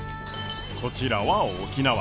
こちらは沖縄。